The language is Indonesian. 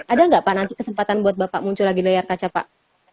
ada nggak pak nanti kesempatan buat bapak muncul lagi layar kaca pak